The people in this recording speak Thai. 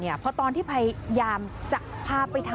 คุณผู้ชมคุณผู้ชมคุณผู้ชม